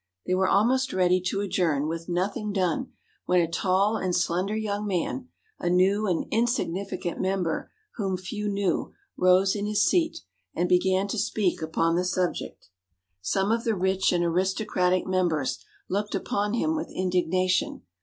They were almost ready to adjourn, with nothing done, when a tall and slender young man, a new and insignificant member whom few knew, rose in his seat, and began to speak upon the subject. Some of the rich and aristocratic members looked upon him with indignation.